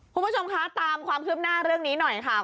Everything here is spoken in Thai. คุณผู้ชมคะตามความคืบหน้าเรื่องนี้หน่อยค่ะ